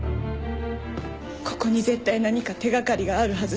ここに絶対何か手がかりがあるはず。